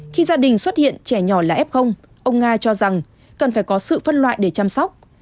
khi gia đình xuất hiện trẻ nhỏ là f ông nga cho rằng cần phải có sự phân loại để chăm sóc